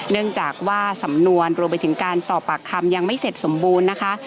เนื่องจากว่าสำนวนรวมไปถึงการสอบปากคำยังไม่เสร็จสมบูรณ์นะคะ